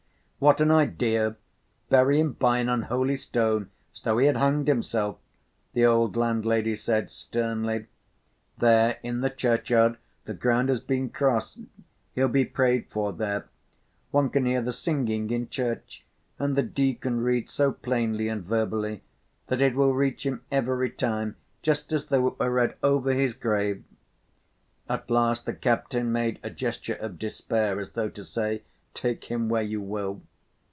"What an idea, bury him by an unholy stone, as though he had hanged himself!" the old landlady said sternly. "There in the churchyard the ground has been crossed. He'll be prayed for there. One can hear the singing in church and the deacon reads so plainly and verbally that it will reach him every time just as though it were read over his grave." At last the captain made a gesture of despair as though to say, "Take him where you will."